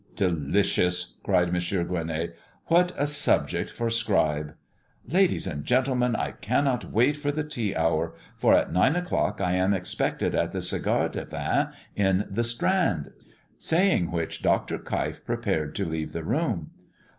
"Delicious!" cried Mons. Gueronnay. "What a subject for Scribe!" "Ladies and gentlemen, I cannot wait for the tea hour; for at nine o'clock, I am expected at the cigar divan in the Strand;" saying which, Dr. Keif prepared to leave the room.